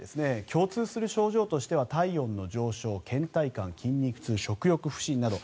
共通する症状としては体温の上昇、けん怠感、筋肉痛食欲不振など。